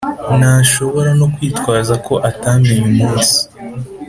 ntashobora no kwitwaza ko atamenye umunsi